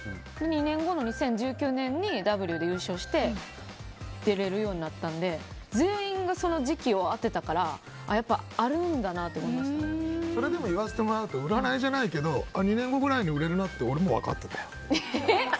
２年後の２０１９年に「Ｗ」で優勝して出れるようになったので全員がその時期を当てたからやっぱりあるんだなってそれ言わせてもらうと占いじゃないけど２年後ぐらいに売れるなって俺も分かってた。